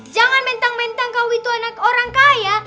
jangan mentang mentang kau itu anak orang kaya